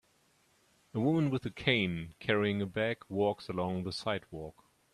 A woman with a cane carrying a bag walks along the sidewalk